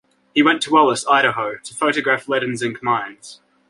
He went to Wallace, Idaho, to photograph lead and zinc mines.